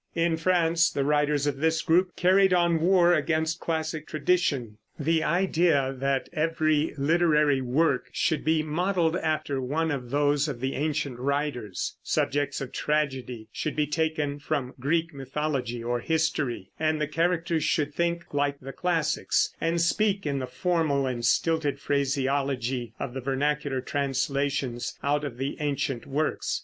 In France the writers of this group carried on war against classic tradition the idea that every literary work should be modeled after one of those of the ancient writers; subjects of tragedy should be taken from Greek mythology or history; and the characters should think like the classics, and speak in the formal and stilted phraseology of the vernacular translations out of the ancient works.